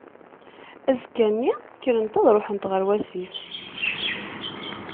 Azekka-nni, krent ad ruḥent, ɣer wasif.